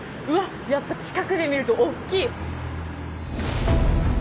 やっぱ近くで見るとおっきい！